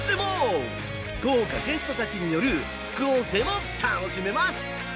豪華ゲストたちによる副音声も楽しめます。